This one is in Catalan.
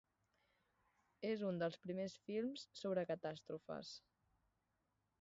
És un dels primers films sobre catàstrofes.